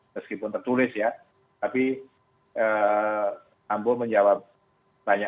meskipun tertulis ya tapi sawahnya